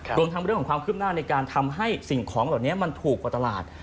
รวมทั้งเรื่องของความคืบหน้าในการทำให้สิ่งของเหล่านี้มันถูกกว่าตลาด